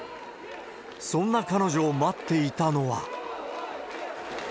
そんな彼女を待っていたのは。